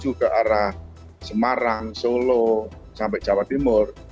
banyak kendaraan yang menuju ke arah semarang solo sampai jawa timur